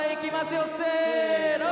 よせの。